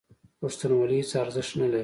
پښتونولي هېڅ ارزښت نه لري.